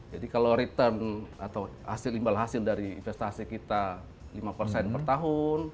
jadi kalau return atau hasil imbal hasil dari investasi kita lima per tahun